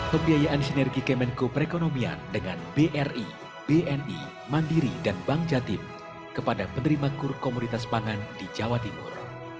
pembiayaan sinergi kemenko perekonomian dengan bri bni mandiri dan bank jatim kepada penerima kur komoditas pangan di jawa timur